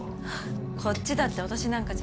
こっちだって脅しなんかじゃない。